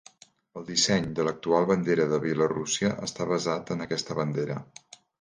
El disseny de l'actual bandera de Bielorússia està basat en aquesta bandera.